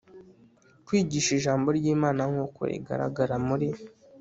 kwigisha Ijambo ry Imana nk uko rigaragara muri